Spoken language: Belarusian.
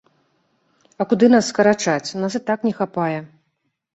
А куды нас скарачаць, нас і так не хапае.